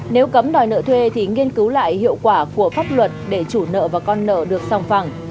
nếu cấm đòi nợ thuê thì nghiên cứu lại hiệu quả của pháp luật để chủ nợ và con nợ được sòng phẳng